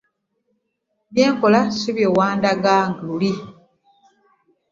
By'onkola si bye wandaga luli.